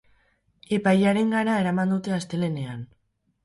Epailearengana eraman dute astelehenean.